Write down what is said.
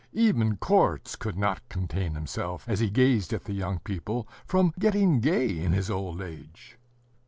Even Korzh could not contain himself, as he gazed at the young people, from getting gay in his old age.